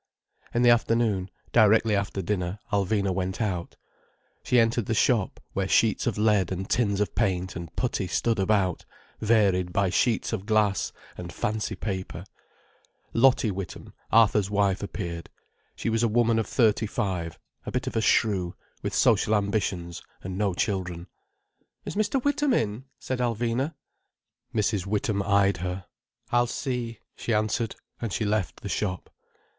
In the afternoon, directly after dinner, Alvina went out. She entered the shop, where sheets of lead and tins of paint and putty stood about, varied by sheets of glass and fancy paper. Lottie Witham, Arthur's wife, appeared. She was a woman of thirty five, a bit of a shrew, with social ambitions and no children. "Is Mr. Witham in?" said Alvina. Mrs. Witham eyed her. "I'll see," she answered, and she left the shop.